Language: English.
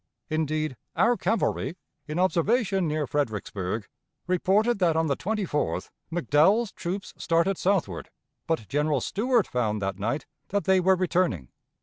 Indeed, our cavalry, in observation near Fredericksburg, reported that on the 24th McDowell's troops started southward, but General Stuart found that night that they were returning.